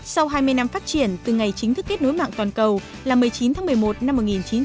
sau hai mươi năm phát triển từ ngày chính thức kết nối mạng toàn cầu là một mươi chín tháng một mươi một năm một nghìn chín trăm bốn mươi